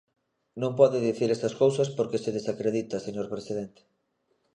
Non pode dicir esas cousas porque se desacredita, señor presidente.